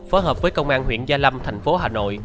phối hợp với công an huyện gia lâm thành phố hà nội